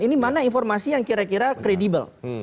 ini mana informasi yang kira kira kredibel